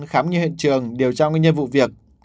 khám như hiện trường điều tra nguyên nhân vụ việc